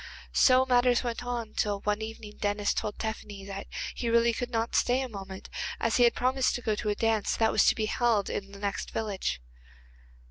So matters went on till one evening Denis told Tephany that he really could not stay a moment, as he had promised to go to a dance that was to be held in the next village.